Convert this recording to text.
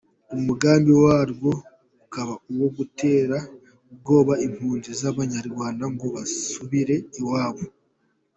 Umugambi warwo ukaba uwo gutera ubwoba impunzi z’abanyarwanda ngo basubire iwabo.